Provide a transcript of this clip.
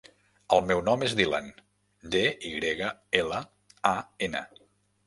El meu nom és Dylan: de, i grega, ela, a, ena.